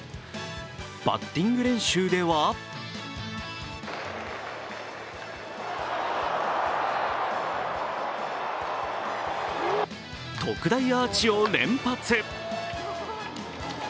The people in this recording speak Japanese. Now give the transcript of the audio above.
バッティング練習では特大アーチを連発。